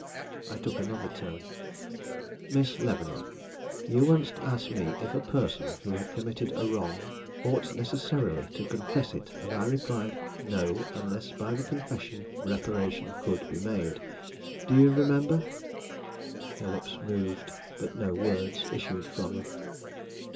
I took another turn. "Miss Leavenworth, you once asked me if a person who had committed a wrong ought necessarily to confess it; and I replied no, unless by the confession reparation could be made. Do you remember?" Her lips moved, but no words issued from them.